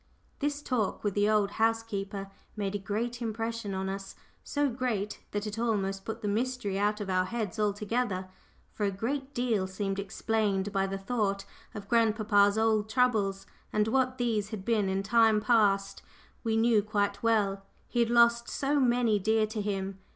This talk with the old housekeeper made a great impression on us so great that it almost put the mystery out of our heads altogether. For a great deal seemed explained by the thought of grandpapa's old troubles, and what these had been in time past we knew quite well. He had lost so many dear to him.